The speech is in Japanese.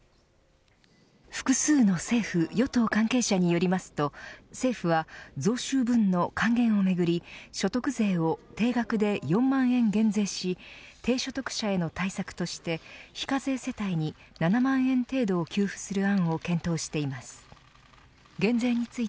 複数の政府、与党関係者によりますと、政府は税収分の還元をめぐり所得税を定額で４万円減税し低所得者への対策として非課税世帯に７万円程度を給付する案を検討しています。